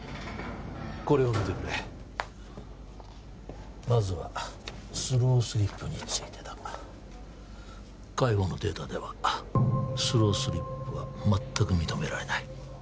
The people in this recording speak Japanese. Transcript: これを見てくれまずはスロースリップについてだ海保のデータではスロースリップは全く認められない